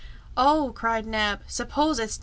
"Oh!" cried Neb, "suppose it's jam!".